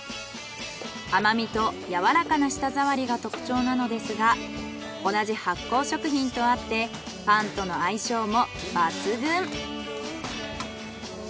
甘みとやわらかな舌触りが特徴なのですが同じ発酵食品とあってパンとの相性も抜群！